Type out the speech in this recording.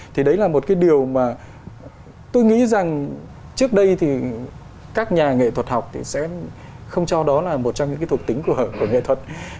thì đấy là một cái điều mà tôi nghĩ rằng trước đây thì các nhà nghệ thuật học thì sẽ không cho đó là một trong những cái thuộc tính của nghệ thuật